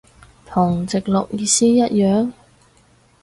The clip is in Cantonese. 同直落意思一樣？